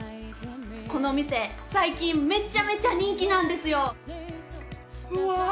この店最近めちゃめちゃ人気なんですよ！